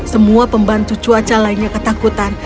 semua pembantu cuaca lainnya ketakutan